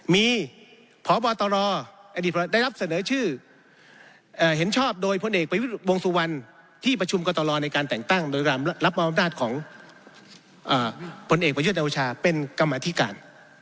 มีพบตรอดีตได้รับเสนอชื่อเห็นชอบโดยพลเอกประวิทย์วงสุวรรณที่ประชุมกรตลในการแต่งตั้งโดยรับมอบอำนาจของผลเอกประยุทธ์โอชาเป็นกรรมธิการ